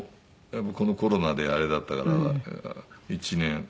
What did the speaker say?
このコロナであれだったから１年。